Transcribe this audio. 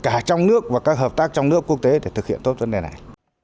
cả trong nước và các hợp tác trong nước quốc tế để thực hiện tốt vấn đề này